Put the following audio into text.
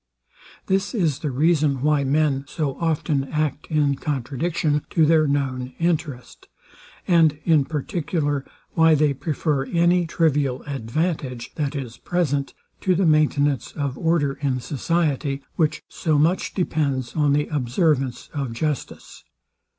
This is the reason why men so often act in contradiction to their known interest; and in particular why they prefer any trivial advantage, that is present, to the maintenance of order in society, which so much depends on the observance of justice.